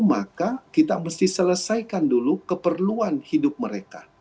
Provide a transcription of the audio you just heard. maka kita mesti selesaikan dulu keperluan hidup mereka